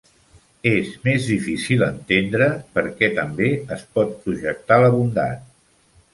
És més difícil entendre per què també es pot projectar la bondat.